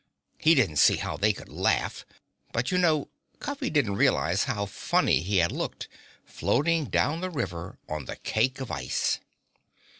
He didn't see how they could laugh. But you know, Cuffy didn't realize how funny he had looked, floating down the river on the cake of ice.